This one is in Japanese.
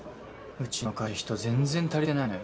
うちの会社人全然足りてないのよ。